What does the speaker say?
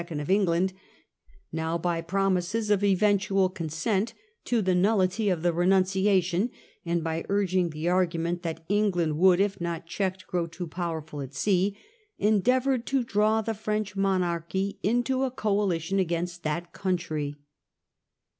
of England, now, by promises of eventual consent to the nullity of the renunciation, Spain and by urging the argument that England coalition wou ^j if not checked, grow too powerful at sea, against" endeavoured to draw the French monarch into England. a coa jition against that country.